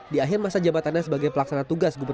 di akhir masa jabatannya sebagai pelaksana tugas gubernur